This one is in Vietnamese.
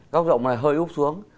góc rộng mà hơi úp xuống